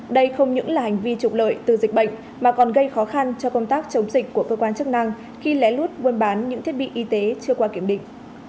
đây không những là hành vi trục lợi từ dịch bệnh mà còn gây khó khăn cho công tác chống dịch của cơ quan chức năng khi lén lút buôn bán những thiết bị y tế chưa qua kiểm định